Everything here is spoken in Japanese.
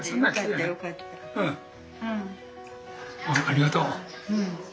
ありがとう。